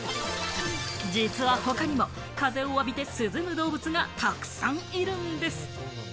実は他にも風を浴びて涼む動物がたくさんいるんです。